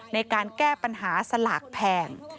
ในการแก้ปัญหาสลากแพง